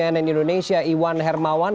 cnn indonesia iwan hermawan